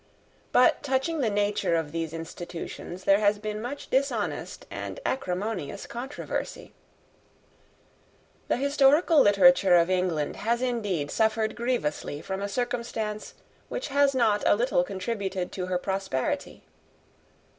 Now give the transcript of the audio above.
But touching the nature of these institutions there has been much dishonest and acrimonious controversy. The historical literature of England has indeed suffered grievously from a circumstance which has not a little contributed to her prosperity.